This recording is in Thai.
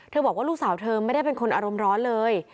บอกว่าลูกสาวเธอไม่ได้เป็นคนอารมณ์ร้อนเลย